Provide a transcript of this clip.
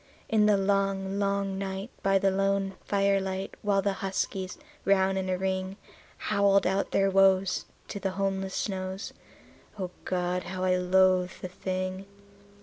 In the long, long night, by the lone firelight, while the huskies, round in a ring, Howled out their woes to the homeless snows O God! how I loathed the thing.